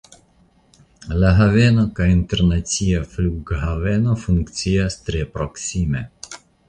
La haveno kaj internacia flughaveno funkcias tre proksime.